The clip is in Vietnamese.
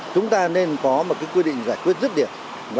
chúng ta nên có một cái quy định giải quyết rất điệt